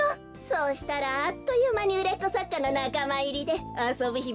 そうしたらあっというまにうれっこさっかのなかまいりであそぶひまもなくなるわね。